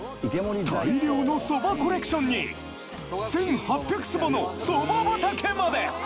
大量のそばコレクションに１８００坪のそば畑まで！